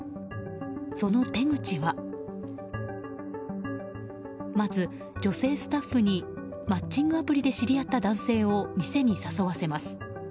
その手口はまず、女性スタッフにマッチングアプリで知り合った男性を店に誘わせます。